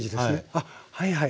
あっはいはい。